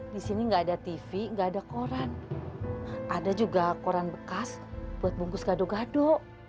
di sini nggak ada tv nggak ada koran ada juga koran bekas buat bungkus gado gado